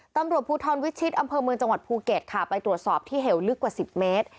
ตำรวจภูทรวิชิตอำเภอเมืองจังหวัดภูเก็ตค่ะไปตรวจสอบที่เหวลึกกว่า๑๐เมตร